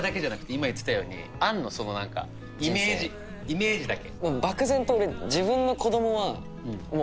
今言ってたようにイメージだけ。